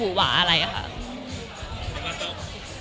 มันคิดว่าจะเป็นรายการหรือไม่มี